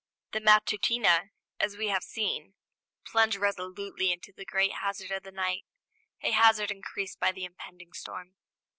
The Matutina, as we have seen, plunged resolutely into the great hazard of the night, a hazard increased by the impending storm.